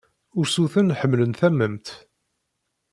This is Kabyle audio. Ursuten ḥemmlen tamemt.